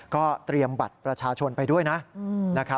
ก็เตรียมบัตรประชาชนไปด้วยนะ